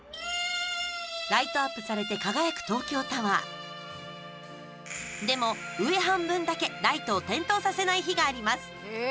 ライトアップされて輝くでも上半分だけライトを点灯させない日があります。